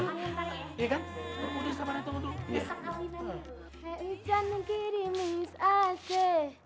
nek wicca mengkirim mis aja